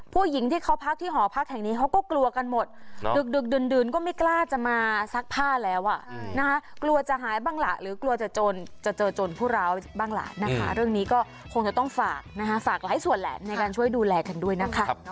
ผู้หญิงที่เขาพักที่หอพักแห่งนี้เขาก็กลัวกันหมดดึกดื่นก็ไม่กล้าจะมาซักผ้าแล้วอ่ะนะคะกลัวจะหายบ้างล่ะหรือกลัวจะจนจะเจอจนผู้ร้าวบ้างล่ะนะคะเรื่องนี้ก็คงจะต้องฝากนะคะฝากหลายส่วนแหละในการช่วยดูแลกันด้วยนะคะ